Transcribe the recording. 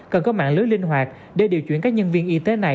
cần có mạng lưới linh hoạt để điều chuyển các nhân viên y tế này